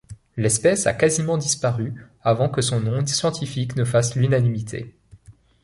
L'espèce a quasiment disparu avant que son nom scientifique ne fasse l'unanimité.